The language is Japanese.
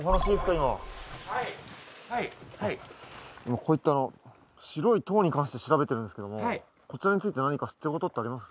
今はいはいはい今こういった白い塔に関して調べてるんですけどもこちらについて何か知ってることってあります？